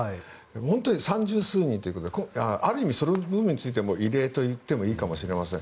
本当に三十数人ということである意味、それについても異例といっていいかもしれません。